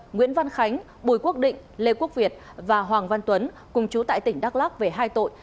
nguyễn văn khánh bùi quốc định lê quốc việt và hoàng văn tuấn cùng chú tại tỉnh đắk lắc về hai tội